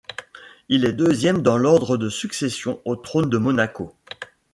Elle est deuxième dans l'ordre de succession au trône de Monaco.